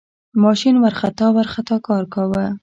ماشین ورخطا ورخطا کار کاوه.